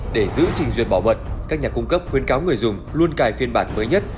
để giữ trình duyệt bảo mật các nhà cung cấp khuyến cáo người dùng luôn cài phiên bản mới nhất